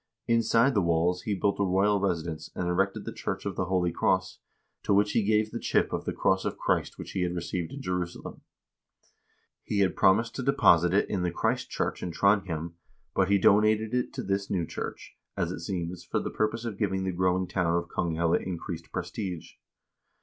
Inside the walls he built a royal residence, and erected the church of the Holy Cross, to which he gave the chip of the cross of Christ which he had received in Jerusalem. He had promised to deposit it in the Christ church in Trondhjem, but he donated it to this new church, as it seems, for the purpose of giving the growing town of Konghelle increased prestige.